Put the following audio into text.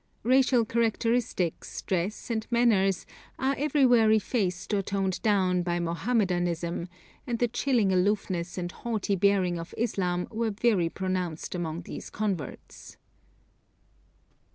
Racial characteristics, dress, and manners are everywhere effaced or toned down by Mohammedanism, and the chilling aloofness and haughty bearing of Islam were very pronounced among these converts.